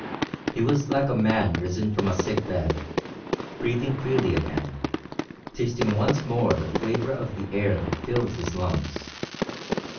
He was like a man risen from a sick bed, breathing freely again, tasting once more the flavour of the air that filled his lungs.